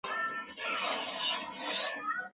不过评论并不见得将动画评得一无是处。